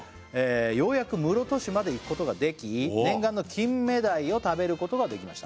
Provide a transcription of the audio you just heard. ようやく室戸市まで行くことができ念願のキンメダイを食べることができました